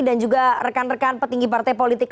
dan juga rekan rekan petinggi partai politik